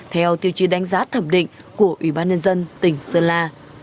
theo tiêu chí đánh giá thẩm định của ủy ban nhân dân tỉnh sơn la